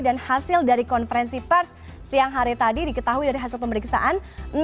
dan hasil dari konferensi pers siang hari tadi diketahui dari hasil pemeriksaan